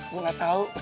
gue gak tau